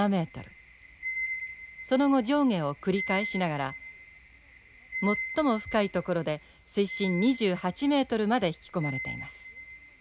その後上下を繰り返しながら最も深い所で水深２８ｍまで引き込まれています。